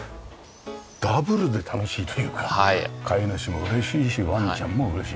ダブルで楽しいというか飼い主も嬉しいしワンちゃんも嬉しい。